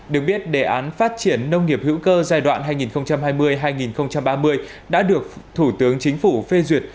được biết đề án phát triển nông nghiệp hữu cơ giai đoạn hai nghìn hai mươi hai nghìn ba mươi đã được thủ tướng chính phủ phê duyệt